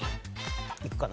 行くかな？